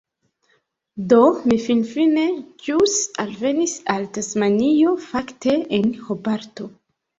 Do, mi finfine ĵus alvenis al Tasmanio fakte, en Hobarto.